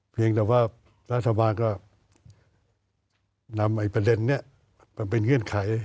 เพียงแต่ว่ารัฐบาลก็นำประเด็นนี้มาเป็นเงื่อนไข